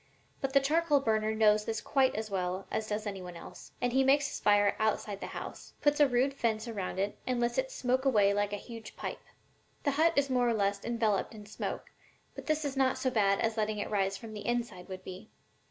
But the charcoal burner knows this quite as well as does any one else, and he makes his fire outside of the house, puts a rude fence around it and lets it smoke away like a huge pipe. The hut is more or less enveloped in smoke, but this is not so bad as letting it rise from the inside would be.